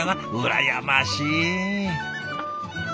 羨ましい。